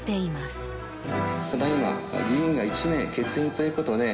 ただ今議員が１名欠員ということで。